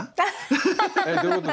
えどういうこと？